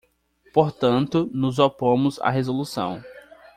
Portanto, nos opomos à resolução.